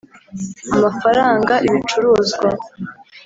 amafaranga ibicuruzwa